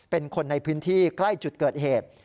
เป็นคนในพื้นที่ใกล้จุดเกิดเหตุ